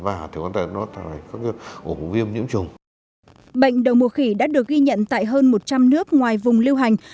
và có thể được ghi nhận tại hơn một trăm linh nước ngoài vùng lưu hành